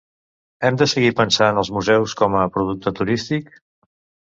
Hem de seguir pensant els museus com a producte turístic?